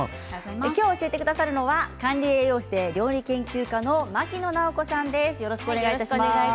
教えてくださるのは管理栄養士で料理研究家の牧野直子さんです。